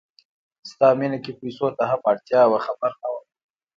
ستا مینه کې پیسو ته هم اړتیا وه خبر نه وم